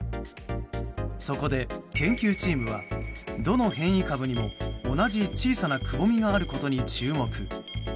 そこで、研究チームはどの変異株にも、同じ小さなくぼみがあることに注目。